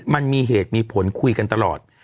มันมีเหตุมีผลคุยกันตลอด